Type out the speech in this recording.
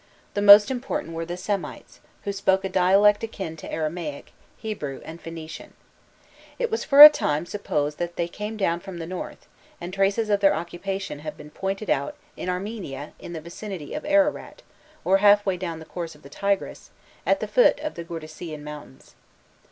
The most important were the Semites, who spoke a dialect akin to Aramaic, Hebrew, and Phoenician. It was for a long time supposed that they came down from the north, and traces of their occupation have been pointed out in Armenia in the vicinity of Ararat, or halfway down the course of the Tigris, at the foot of the Gordysean mountains.